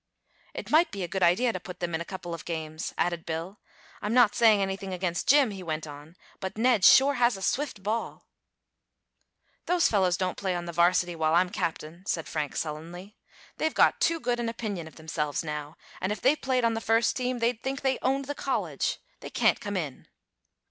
"It might be a good idea to put them in a couple of games," added Bill. "I'm not saying anything against Jim," he went on, "but Ned sure has a swift ball." "Those fellows don't play on the varsity while I'm captain," said Frank sullenly. "They've got too good an opinion of themselves now, and if they played on the first team they'd think they owned the college. They can't come in!"